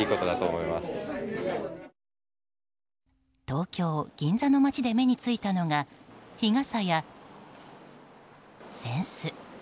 東京・銀座の街で目についたのが日傘や扇子。